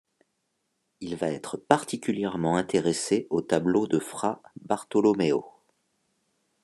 Il va être particulièrement intéressé au tableau de Fra Bartolomeo.